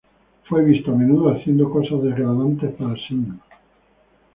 Fue visto a menudo haciendo cosas degradantes para Singh.